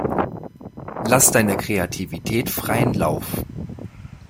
Lass deiner Kreativität freien Lauf.